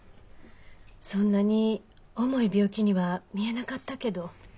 そんなに重い病気には見えなかったけど。